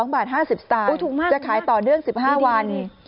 ๒บาท๕๐สตางค์จะขายต่อเนื่อง๑๕วัน